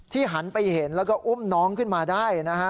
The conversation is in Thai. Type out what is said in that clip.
หันไปเห็นแล้วก็อุ้มน้องขึ้นมาได้นะฮะ